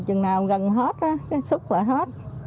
chừng nào gần hết xúc lại hết